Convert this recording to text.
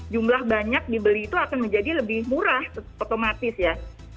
jumlah banyak dibeli itu akan menjadi lebih murah otomatis ya